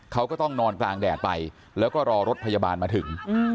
เขาก็ต้องนอนกลางแดดไปแล้วก็รอรถพยาบาลมาถึง